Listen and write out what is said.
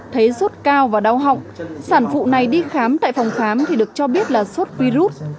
thấy sốt cao và đau họng sản phụ này đi khám tại phòng khám thì được cho biết là sốt virus